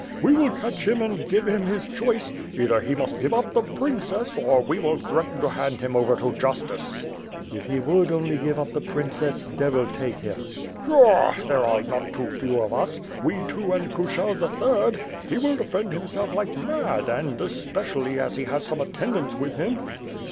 We will catch him and give him his choice; either he must give up the princess, or we will threaten to hand him over to justice." "If he would only give up the princess, devil take him!" "Pshaw! But are there not too few of us. We two, and Kushel, the third. He will defend himself like mad and, es pecially, as he has some attendants with him."